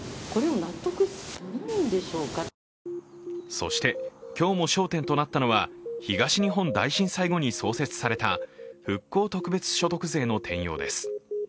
そして今日も焦点となったのは東日本大震災後に増設された復興特別所得税の転用です。